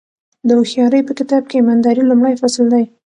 د هوښیارۍ په کتاب کې ایمانداري لومړی فصل دی.